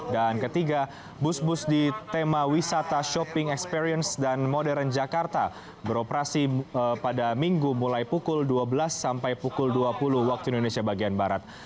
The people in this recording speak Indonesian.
dan ketiga bus bus di tema wisata shopping experience dan modern jakarta beroperasi pada minggu mulai pukul dua belas sampai pukul dua puluh waktu indonesia bagian barat